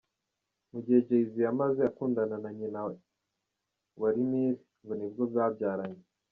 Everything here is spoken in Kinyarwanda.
Mu gihe Jay Z yamaze akundana na nyina wa Rymir ngo nibwo babyaranye.